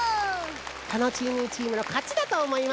タノチーミーチームのかちだとおもいますよ。